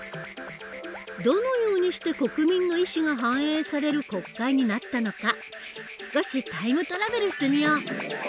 どのようにして国民の意思が反映される国会になったのか少しタイムトラベルしてみよう！